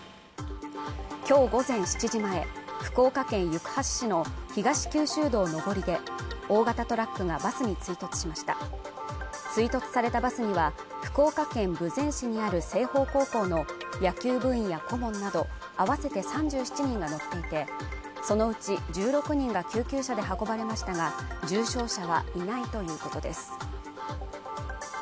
今日午前７時前福岡県行橋市の東九州道上りで大型トラックがバスに追突しました追突されたバスには福岡県豊前市にある青豊高校の野球部員や顧問など合わせて３７人が乗っていてそのうち１６人が救急車で運ばれましたが重傷者はいないということです